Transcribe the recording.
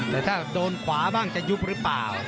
แต่ถ้าโดนขวาบ้างจะยุบหรือเปล่า